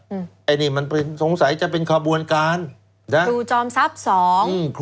ไอ้นี่มันเป็นสงสัยจะเป็นขบวนการนะครูจอมทรัพย์สองอืม